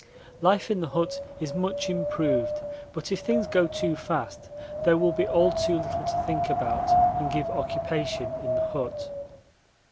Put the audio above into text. Life in the hut is much improved, but if things go too fast there will be all too little to think about and give occupation in the hut.